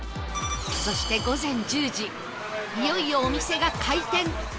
そして午前１０時いよいよお店が開店